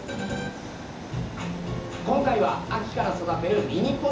今回は秋から育てるミニポタジェ。